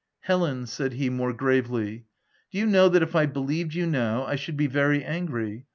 "Helen," said he, more gravely, "do you know that if I believed you now, I should be very angry